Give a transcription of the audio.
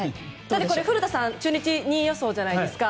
古田さん、中日２位予想じゃないですか。